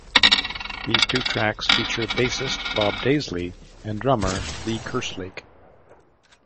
These two tracks feature bassist Bob Daisley and drummer Lee Kerslake.